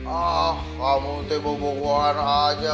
ah kamu teh boboan aja